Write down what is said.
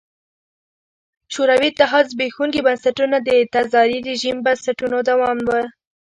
شوروي اتحاد زبېښونکي بنسټونه د تزاري رژیم بنسټونو دوام و.